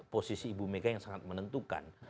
posisi bumega yang sangat menentukan